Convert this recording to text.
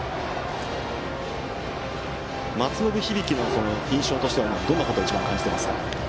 松延響の印象としては、一番はどんなことを感じていますか？